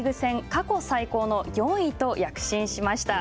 過去最高の４位と躍進しました。